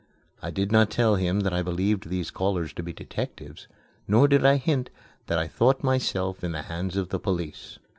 I did not tell him that I believed these callers to be detectives; nor did I hint that I thought myself in the hands of the police.